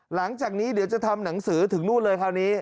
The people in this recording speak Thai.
หลังจากนี้เดี๋ยวจะทำหนังสือถึงนู่นเลยคราวนี้